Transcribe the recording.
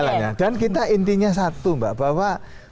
saya tidak menuduh ya